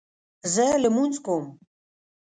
زه لمونځ کوم